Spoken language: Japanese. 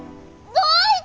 どういて？